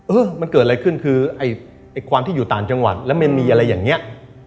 เออมันเกิดอะไรขึ้นคือไอ้ความที่อยู่ต่างจังหวัดแล้วไม่มีอะไรอย่างนี้